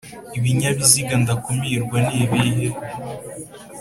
Ibinyabiziga ndakumirwa ni ibihe